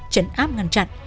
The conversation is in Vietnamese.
trấn áp ngăn chặn